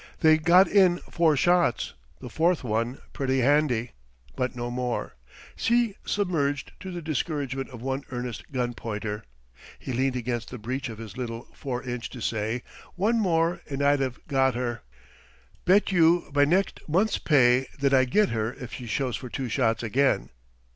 They got in four shots, the fourth one pretty handy. But no more. She submerged to the discouragement of one earnest gun pointer. He leaned against the breech of his little 4 inch to say: "One more and I'd 'ave got her. Bet you me next month's pay that I get her if she shows for two shots again."